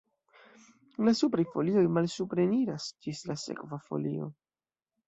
La supraj folioj malsupreniras ĝis la sekva folio.